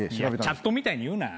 チャットみたいに言うな。